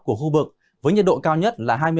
của khu vực với nhiệt độ cao nhất là